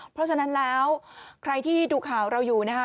เพราะฉะนั้นแล้วใครที่ดูข่าวเราอยู่นะคะ